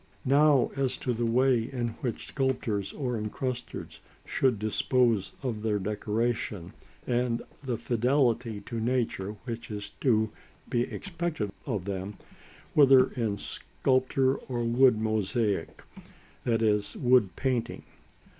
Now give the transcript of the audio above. Now as to the way in which sculptors, or incrusters, should dispose of their decoration, and the fidelity to nature which is to be expected of them, whether in sculpture or wood mosaic, i.e. wood painting.